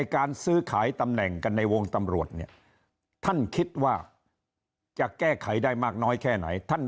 การซื้อขายตำแหน่งกันในวงตำรวจเนี่ยท่านคิดว่าจะแก้ไขได้มากน้อยแค่ไหนท่าน